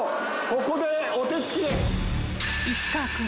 ここで痛恨のお手つき］